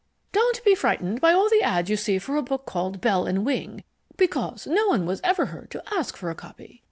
Don't be frightened by all the ads you see for a book called "Bell and Wing," because no one was ever heard to ask for a copy.